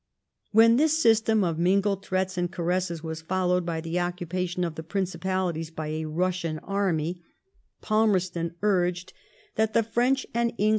When this system of mingled threats and caresses was followed by the occupatioi/ of the Frincipalities by a Bussian army, Falmerston urged that the French and * Lord Malmesbury's Memoirs, vol.